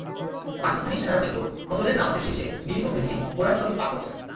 পাকিস্তানি সেনারা দেখল, ফজরের নামাজ শেষে নিরীহ গৃহিণী কোরআন শরিফ পাঠ করছেন।